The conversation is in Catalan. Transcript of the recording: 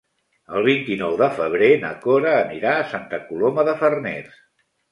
El vint-i-nou de febrer na Cora anirà a Santa Coloma de Farners.